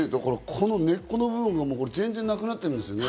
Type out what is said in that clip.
この根っこの部分が全然なくなってしまってるんですね。